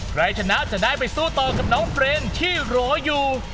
ใครชนะจะได้ไปสู้ต่อกับน้องเฟรนที่รออยู่